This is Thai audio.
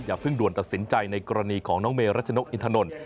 เพิ่งด่วนตัดสินใจในกรณีของน้องเมรัชนกอินทนนท์